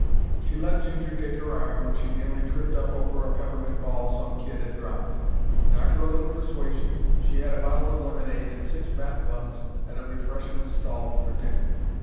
She let Ginger take 'er arm when she nearly tripped up over a peppermint ball some kid 'ad dropped; and, arter a little persuasion, she 'ad a bottle of lemonade and six bath buns at a refreshment stall for dinner.